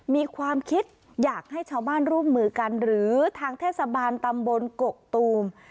มีความคิดอยากให้ชาวบ้านร่วมมือกันหรือทางเทศบาลตำบลกกตูม